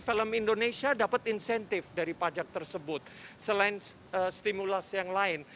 film indonesia dapat insentif dari pajak tersebut selain stimulasi yang lain